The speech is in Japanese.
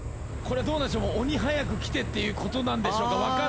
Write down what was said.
鬼早く来てっていうことなんでしょうか？